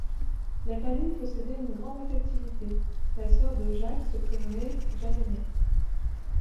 La famille possédait une grande affectivité, la sœur de Jacques se prénommait Jeanne-Aimée.